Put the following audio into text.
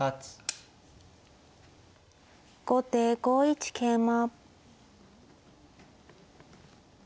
後手５一桂馬。